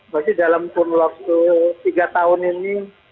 mungkin dalam kuruloku tiga tahun ini